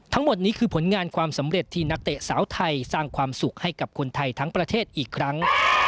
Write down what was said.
ทั้งหมดนี้คือผลงานความสำเร็จที่นักเตะสาวไทยสร้างความสุขให้กับคนไทยทั้งประเทศอีกครั้ง